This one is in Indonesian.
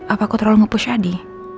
apa aku terlalu nge push adi